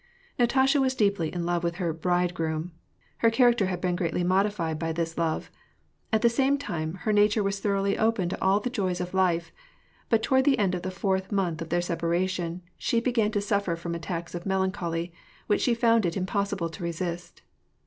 Natasha was deeply in love with her "bridegroom:" her character had been greatly modified by this love; at the same time, her nature was thoroughly open to all the joys of life ; but toward the end of the fourth month of their separa tion, she began to suffer from attacks of melancholy, which she found it impossible to resist.